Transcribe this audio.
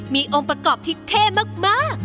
มีองค์ประกอบที่เท่มาก